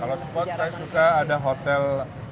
kalau spot saya suka ada hotel